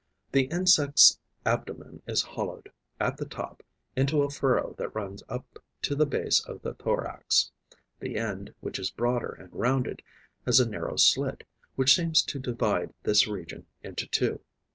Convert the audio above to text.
The insect's abdomen is hollowed, at the top, into a furrow that runs up to the base of the thorax; the end, which is broader and rounded, has a narrow slit, which seems to divide this region into two.